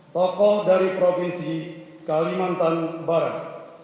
tokoh dari provinsi kalimantan barat